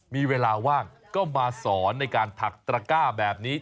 มีเวลาว่างก็มาสอนในการถักตระก้าแบบนี้